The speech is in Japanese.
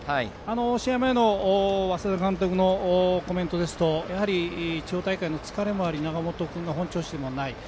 試合前の稙田監督のコメントですと地方大会の疲れもあり永本君が本調子ではない。